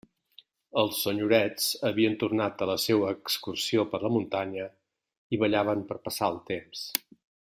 Els senyorets havien tornat de la seua excursió per «la muntanya», i ballaven per passar el temps.